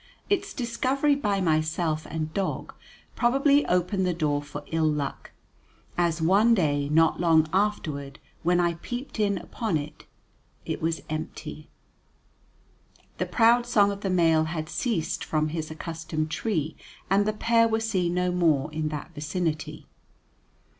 Its discovery by myself and dog probably opened the door for ill luck, as one day, not long afterward, when I peeped in upon it, it was empty. The proud song of the male had ceased from his accustomed tree, and the pair were seen no more in that vicinity.